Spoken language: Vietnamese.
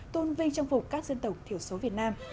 tôn vinh trang phục các dân tộc thiểu số việt nam